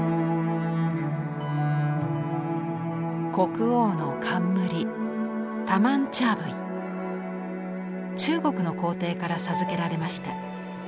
国王の冠中国の皇帝から授けられました。